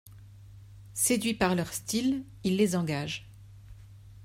Séduit par leur style, il les engage.